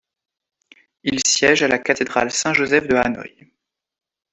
Il siège à la cathédrale Saint-Joseph de Hanoï.